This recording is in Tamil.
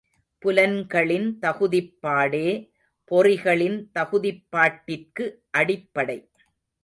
புலன்களின் தகுதிப்பாடே, பொறிகளின் தகுதிப்பாட்டிற்கு அடிப்படை.